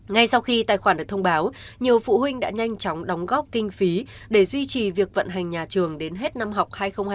ngay sau khi tài khoản được thông báo nhiều phụ huynh đã nhanh chóng đóng góp kinh phí để duy trì việc vận hành nhà trường đến hết năm học hai nghìn hai mươi hai nghìn hai mươi